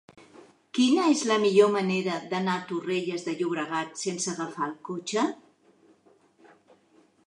Quina és la millor manera d'anar a Torrelles de Llobregat sense agafar el cotxe?